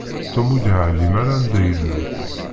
Tom ur yeεlim ara anda ilul.